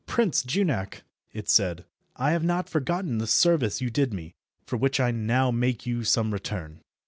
"Prince Junak," it said, "I have not forgotten the service you did me, for which I now make you some return."